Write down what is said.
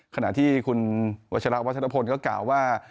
ขณะที่คุณวัชละก็กล่าวว่า